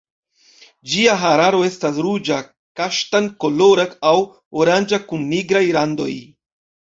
Ĝia hararo estas ruĝa kaŝtan-kolora aŭ oranĝa kun nigraj randoj.